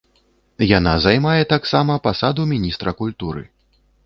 Яна займае таксама пасаду міністра культуры.